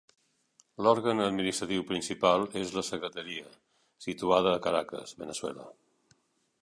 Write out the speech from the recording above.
L'òrgan administratiu principal és la secretaria, situada a Caracas, Veneçuela.